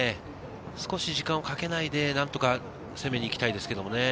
少し時間をかけないで、なんとか攻めに行きたいですね。